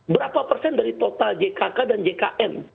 berapa persen dari total jkk dan jkn